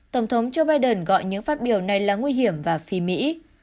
tổng thống joe biden gọi những phát biểu này là nguy hiểm và phi mỹ